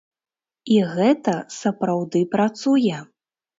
І гэта сапраўды працуе!